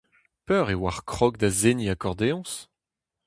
Peur e oac'h krog da seniñ akordeoñs ?